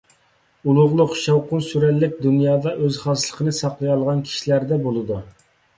ئۇلۇغلۇق، شاۋقۇن-سۈرەنلىك دۇنيادا ئۆز خاسلىقىنى ساقلىيالىغان كىشىلەردە بولىدۇ.